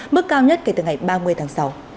mức cao nhất kể từ ngày ba mươi tháng sáu